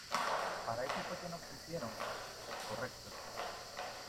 ¿ Para eso fue que nos hicieron, correcto?